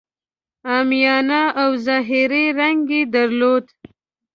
عامیانه او ظاهري رنګ یې درلود.